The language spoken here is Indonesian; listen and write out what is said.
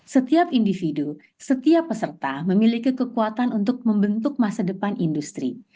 setiap individu setiap peserta memiliki kekuatan untuk membentuk masa depan industri